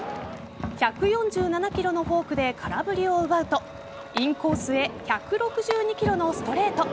１４７キロのフォークで空振りを奪うとインコースへ１６２キロのストレート。